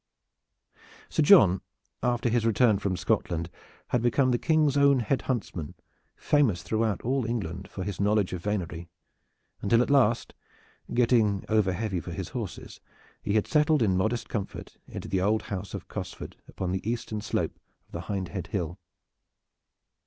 Sir John after his return from Scotland had become the King's own head huntsman, famous through all England for his knowledge of venery, until at last, getting overheavy for his horses, he had settled in modest comfort into the old house of Cosford upon the eastern slope of the Hindhead hill.